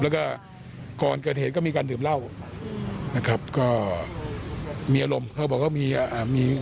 แล้วก็ก่อนเกิดเหตุก็มีการดื่มเหล้านะครับก็มีอารมณ์เขาบอกว่ามีอ่ามี